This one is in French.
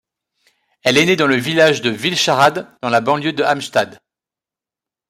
Elle est née dans le village de Villshärad dans la banlieue de Halmstad.